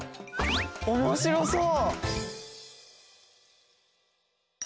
おもしろそう！